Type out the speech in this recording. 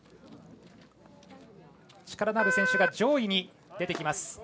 力のある選手が上位に出てきます。